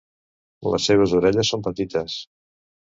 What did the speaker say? Les seves orelles són petites.